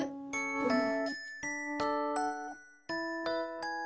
うん。